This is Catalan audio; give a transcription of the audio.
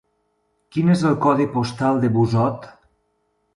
Quin és el codi postal de Busot?